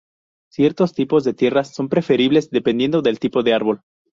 Ciertos tipos de tierras son preferibles, dependiendo del tipo de árbol.